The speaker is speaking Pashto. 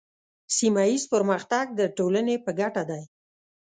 سیمه ایز پرمختګ د ټولنې په ګټه دی.